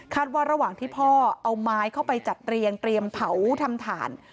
ว่าระหว่างที่พ่อเอาไม้เข้าไปจัดเรียงเตรียมเผาทำถ่าน